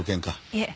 いえ。